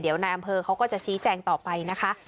เดี๋ยวนายอำเภอเขาก็จะชี้แจงต่อไปนะคะ